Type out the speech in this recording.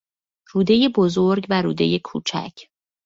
رودهی بزرگ و رودهی کوچک